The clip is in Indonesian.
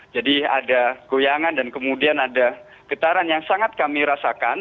jadi ada goyangan dan kemudian ada getaran yang sangat kami rasakan